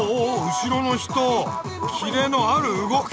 後ろの人キレのある動き！